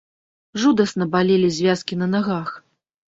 Жудасна балелі звязкі на нагах.